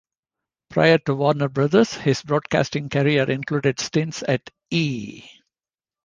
Prior to Warner Brothers, his broadcasting career included stints at E!